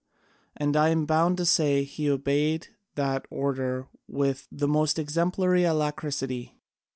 And I am bound to say he obeyed that order with the most exemplary alacrity.